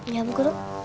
iya bu guru